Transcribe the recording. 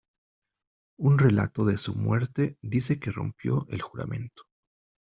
Un relato de su muerte dice que rompió el juramento.